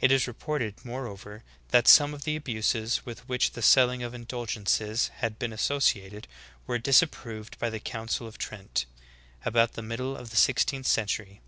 It is reported, moreover, that some of the abuses with Vv^hich the selling of indulgences had been associated were disapproved by the Council of Trent, about the middle of the sixteenth century.